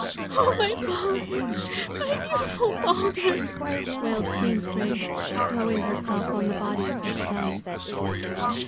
"Oh, my Balder, my beautiful Balder!" wailed Queen Frigg, throwing herself on the body of her son.